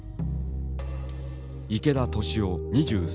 池田敏雄２３歳。